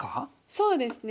そうですね。